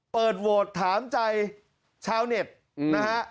เปิดโหวตถามใจชาวเน็ตนะฮะ